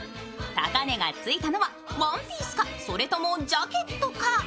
高値がついたのはワンピースかそれともジャケットか。